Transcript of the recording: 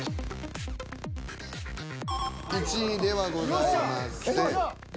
１位ではございません。